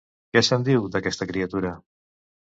Què se'n diu, d'aquesta criatura?